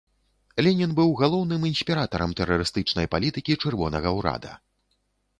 Ленін быў галоўным інспіратарам тэрарыстычнай палітыкі чырвонага ўрада.